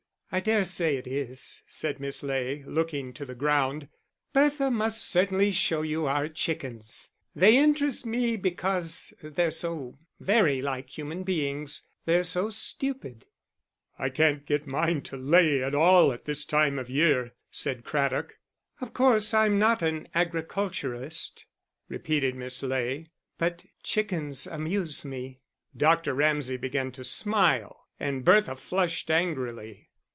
"I dare say it is," said Miss Ley, looking to the ground. "Bertha must certainly show you our chickens. They interest me because they're very like human beings they're so stupid." "I can't get mine to lay at all at this time of year," said Craddock. "Of course I'm not an agriculturist," repeated Miss Ley, "but chickens amuse me." Dr. Ramsay began to smile, and Bertha flushed angrily.